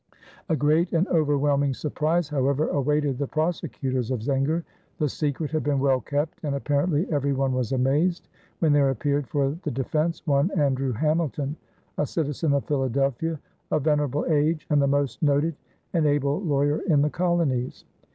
A great and overwhelming surprise, however, awaited the prosecutors of Zenger. The secret had been well kept and apparently every one was amazed when there appeared for the defense one Andrew Hamilton, a citizen of Philadelphia, of venerable age and the most noted and able lawyer in the colonies.